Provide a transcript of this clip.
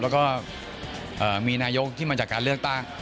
แล้วก็มีนายกที่มาจากการเลือกตั้ง